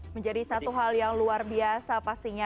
menjadi satu hal yang luar biasa pastinya